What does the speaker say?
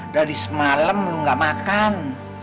dari semalam lu nggak makan